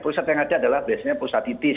prostat yang ada adalah prostatitis